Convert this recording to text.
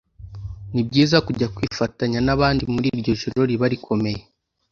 Ni byiza kujya kwifatanya n’abandi muri iryo joro riba rikomeye